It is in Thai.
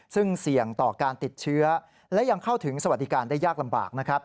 ซึ่งเสี่ยงต่อการติดเชื้อและยังเข้าถึงสวัสดิการได้ยากลำบากนะครับ